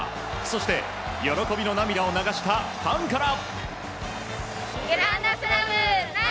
そして喜びの涙を流したファンから。